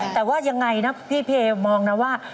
แต่ว่ายังไงนะพี่เพย์มองนะว่า